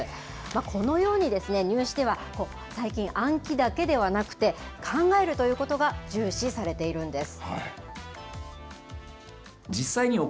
このようにですね、入試では最近、暗記だけではなくて、考えるということが重視されているんです。